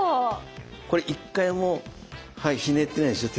これ一回もはいひねってないですよ